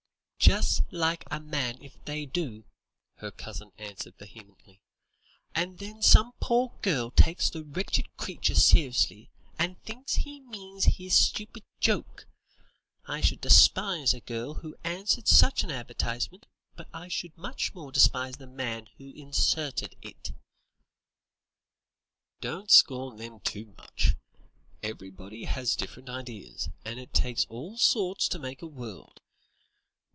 "Just like a man if they do," his cousin answered vehemently; "and then some poor girl takes the wretched creature seriously, and thinks he means his stupid joke. I should despise a girl who answered such an advertisement, but I should much more despise the man who inserted it." "Don't scorn them too much. Everybody has different ideals, and it takes all sorts to make a world.